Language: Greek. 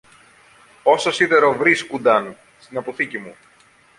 Όσο σίδερο βρίσκουνταν στην αποθήκη μου